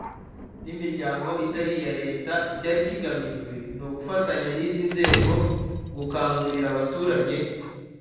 n imiryango itari iya leta icyari kigamijwe ni ugufatanya n izi nzego gukangurira abaturage